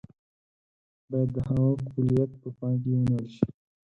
باید د هغه کُلیت په پام کې ونیول شي.